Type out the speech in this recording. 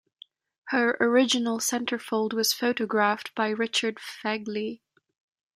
Her original centerfold was photographed by Richard Fegley.